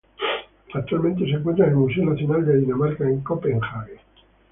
Actualmente se encuentra en el Museo Nacional de Dinamarca en Copenhague.